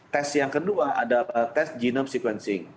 tes yang kedua adalah test genome sequencing